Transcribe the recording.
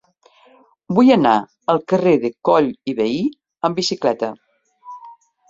Vull anar al carrer de Coll i Vehí amb bicicleta.